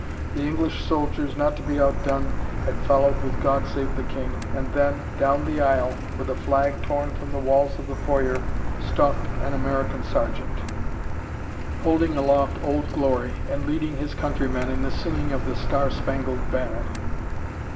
The English soldiers, not to be outdone, had followed with "God Save the King" and then, down the aisle with a flag torn from the walls of the foyer stalked an American sergeant, holding aloft Old Glory and leading his countrymen in the singing of "The Star Spangled Banner."